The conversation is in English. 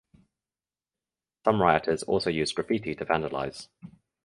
Some rioters also used graffiti to vandalize.